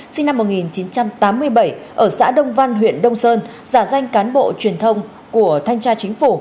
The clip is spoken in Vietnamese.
sinh năm một nghìn chín trăm tám mươi bảy ở xã đông văn huyện đông sơn giả danh cán bộ truyền thông của thanh tra chính phủ